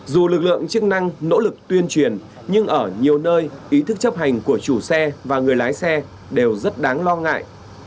dù lực lượng chức năng nỗ lực tuyên truyền nhưng ở nhiều nơi ý thức chấp hành của chủ xe và người lái xe đều rất đáng lo ngại